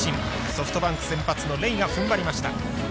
ソフトバンク先発のレイがふんばりました。